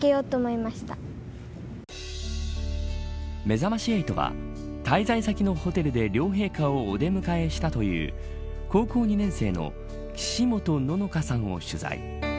めざまし８は滞在先のホテルで両陛下をお出迎えしたという高校２年生の岸本望乃叶さんを取材。